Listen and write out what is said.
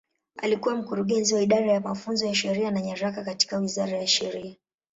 Alikuwa Mkurugenzi wa Idara ya Mafunzo ya Sheria na Nyaraka katika Wizara ya Sheria.